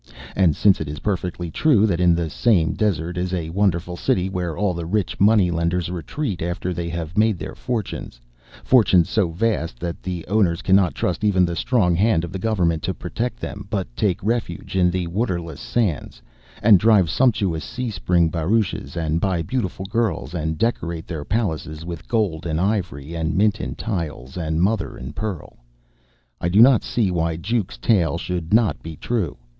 And, since it is perfectly true that in the same Desert is a wonderful city where all the rich money lenders retreat after they have made their fortunes (fortunes so vast that the owners cannot trust even the strong hand of the Government to protect them, but take refuge in the waterless sands), and drive sumptuous C spring barouches, and buy beautiful girls and decorate their palaces with gold and ivory and Minton tiles and mother n' pearl, I do not see why Jukes's tale should not be true.